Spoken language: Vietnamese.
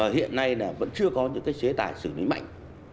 hiện nay là vẫn chưa có những chế tài xử lý mạnh